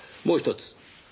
もう１つ。